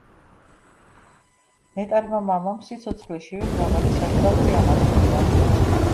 ნეტარმა მამამ სიცოცხლეშივე მრავალი სასწაული აღასრულა.